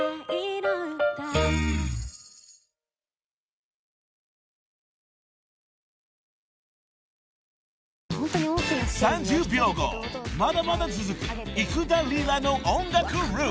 まだまだ続く幾田りらの音楽ルーツ］